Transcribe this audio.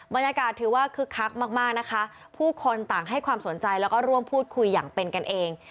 บรรยากาศถือว่าคึกคักมากมากนะคะผู้คนต่างให้ความสนใจแล้วก็ร่วมพูดคุยอย่างเป็นกันเอง